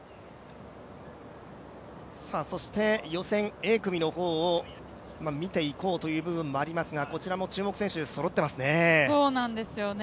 そして、予選Ａ組の方を見ていこうという部分がありますがこちらも注目選手、そろっていますね。